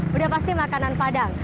sudah pasti makanan padang